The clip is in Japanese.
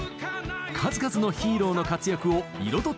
数々のヒーローの活躍を彩ってきました。